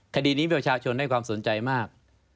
คดีนี้ประชาชนได้ความสนใจมาก